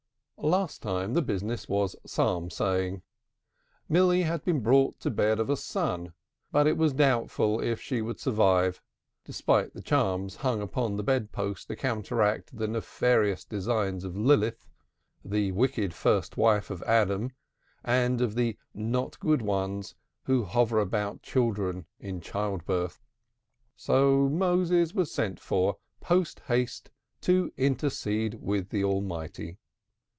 Last time the business was psalm saying. Milly had been brought to bed of a son, but it was doubtful if she would survive, despite the charms hung upon the bedpost to counteract the nefarious designs of Lilith, the wicked first wife of Adam, and of the Not Good Ones who hover about women in childbirth. So Moses was sent for, post haste, to intercede with the Almighty.